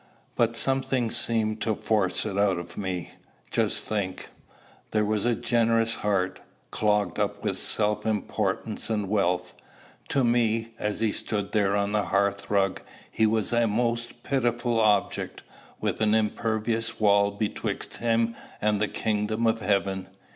But something seemed to force it out of me. Just think: there was a generous heart, clogged up with self importance and wealth! To me, as he stood there on the hearth rug, he was a most pitiable object with an impervious wall betwixt him and the kingdom of heaven!